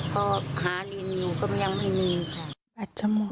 ก็หาลินอยู่ก็ยังไม่มีค่ะ